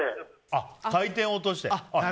回転を落として。